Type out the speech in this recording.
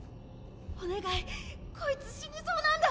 お願いこいつ死にそうなんだ。